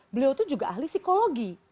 beliau itu juga ahli psikologi